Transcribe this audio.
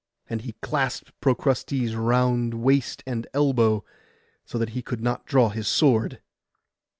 and he clasped Procrustes round waist and elbow, so that he could not draw his sword.